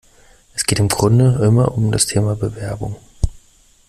Es geht im Grunde immer um das Thema Bewerbung.